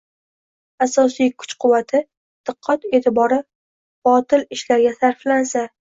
asosiy kuch-quvvati, diqqat-e’tibori botil ishlarga sarflansa